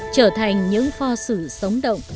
trở thành những pho sự sống động